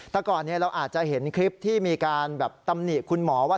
แต่ก่อนเราอาจจะเห็นคลิปที่มีการแบบตำหนิคุณหมอว่า